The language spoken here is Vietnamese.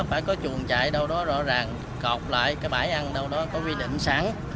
phải có chuồng chạy đâu đó rõ ràng cọp lại cái bãi ăn đâu đó có quy định sẵn